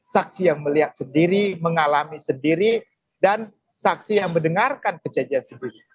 saksi yang melihat sendiri mengalami sendiri dan saksi yang mendengarkan kejadian sendiri